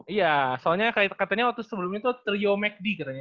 iya soalnya katanya waktu sebelumnya itu trio magdi katanya